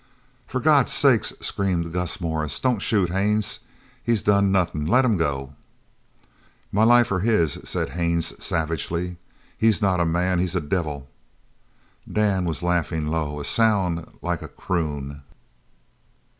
"For God's sake!" screamed Gus Morris, "don't shoot, Haines! He's done nothin'. Let him go!" "My life or his!" said Haines savagely. "He's not a man he's a devil!" Dan was laughing low a sound like a croon.